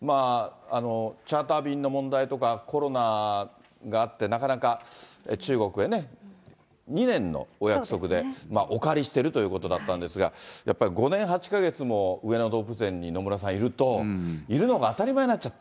チャーター便の問題とか、コロナがあって、なかなか中国へね、２年のお約束でお借りしているということだったんですが、やっぱり５年８か月も上野動物園に、野村さん、いると、いるのが当たり前になっちゃって。